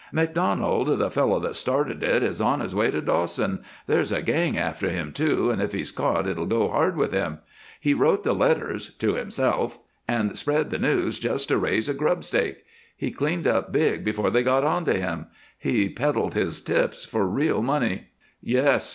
"MacDonald, the fellow that started it, is on his way to Dawson. There's a gang after him, too, and if he's caught it'll go hard with him. He wrote the letters to himself and spread the news just to raise a grub stake. He cleaned up big before they got onto him. He peddled his tips for real money." "Yes!"